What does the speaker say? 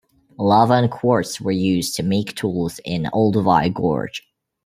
Lava and quartz were used to make tools in Olduvai Gorge.